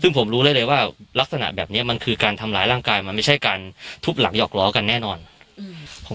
ซึ่งผมรู้ได้เลยว่ารักษณะแบบเนี้ยมันคือการทำร้ายร่างกายมันไม่ใช่การทุบหลังหอกล้อกันแน่นอนอืม